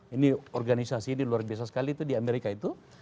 ini organisasi ini luar biasa sekali itu di amerika itu